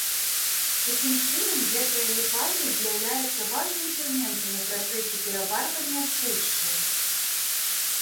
Такім чынам, гэтая ліпаза з'яўляецца важным ферментам у працэсе пераварвання тлушчаў.